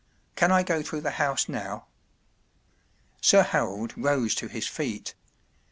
Can I go through the house now ? ” Sir Harold rose to his feet.